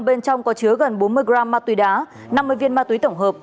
bên trong có chứa gần bốn mươi gram ma túy đá năm mươi viên ma túy tổng hợp